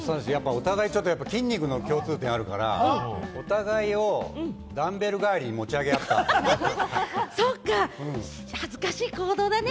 お互いちょっと筋肉の共通点あるから、お互いをダンベル代わりに持ち上そっか、恥ずかしい行動だね。